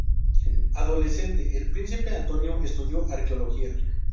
Adolescente, el Príncipe Antonio estudió arqueología.